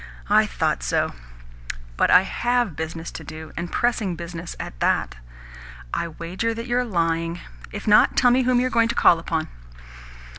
I thought so!" "But I HAVE business to do and pressing business at that." "I wager that you're lying. If not, tell me whom you're going to call upon."